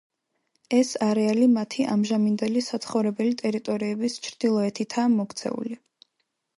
ეს არეალი მათი ამჟამინდელი საცხოვრებელი ტერიტორიების ჩრდილოეთითაა მოქცეული.